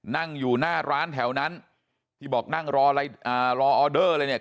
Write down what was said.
นั่งอยู่หน้าร้านแถวนั้นที่บอกนั่งรออะไรรอออเดอร์เลยยัง